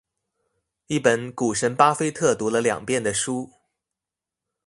一本股神巴菲特讀了兩遍的書